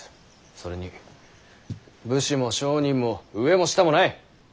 それに武士も商人も上も下もない。